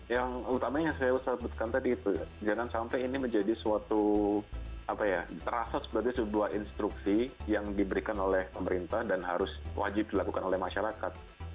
yang utama yang saya sebutkan tadi itu jangan sampai ini menjadi suatu terasa sebagai sebuah instruksi yang diberikan oleh pemerintah dan harus wajib dilakukan oleh masyarakat